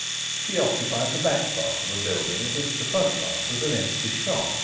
She occupied the back part of a building of which the front part was an empty shop.